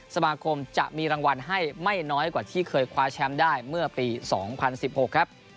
สมาคมจะมีรางวัลให้ไม่น้อยกว่าที่เคยคว้าแชมป์ได้เมื่อปี๒๐๑๖ครับ